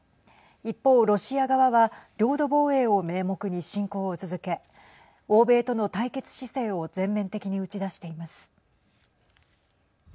一方、ロシア側は領土防衛を名目に侵攻を続け欧米との対決姿勢を全面的に打ち出しています。